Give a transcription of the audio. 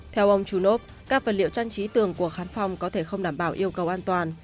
theo ông chulov các vật liệu trang trí tường của khán phòng có thể không đảm bảo yêu cầu an toàn